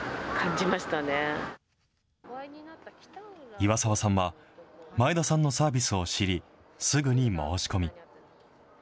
岩澤さんは、前田さんのサービスを知り、すぐに申し込み。